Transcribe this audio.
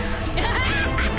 ハハハハ！